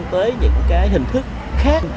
tới những hình thức khác